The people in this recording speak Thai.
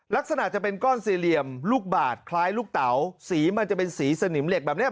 ลักษณะจะเป็นก้อนสี่เหลี่ยมลูกบาทคล้ายลูกเต๋าสีมันจะเป็นสีสนิมเหล็กแบบนี้